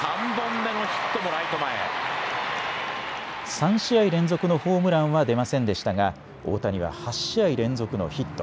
３試合連続のホームランは出ませんでしたが大谷は８試合連続のヒット。